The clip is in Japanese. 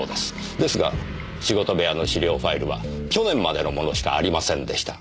ですが仕事部屋の資料ファイルは去年までのものしかありませんでした。